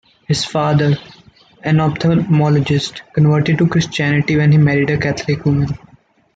His father, an ophthalmologist, converted to Christianity when he married a Catholic woman.